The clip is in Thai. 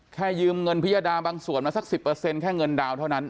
แค่ยืมเงินพิยดาบางส่วนมาสักสิบเปอร์เซ็นต์แค่เงินดาวเท่านั้น